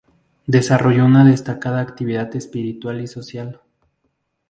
Desarrolló una destacada actividad espiritual y social.